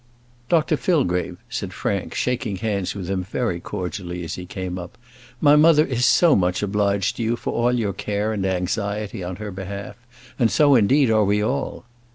"Dr Fillgrave," said Frank, shaking hands with him very cordially as he came up, "my mother is so much obliged to you for all your care and anxiety on her behalf! and, so indeed, are we all."